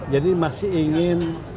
jadi masih ingin